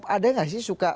ada gak sih suka